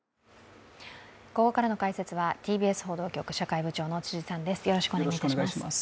ここからの解説はＴＢＳ報道局社会部長の辻さんです。